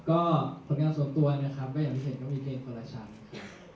ก็คนการส่วนตัวนะครับอยากจะพิเศษก็มีเพลงพอละชั้นครับ